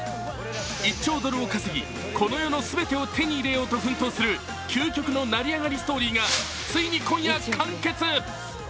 １兆ドルを稼ぎ、この世の全てを手に入れようと奮闘する究極の成り上がりストーリーがついに今夜完結。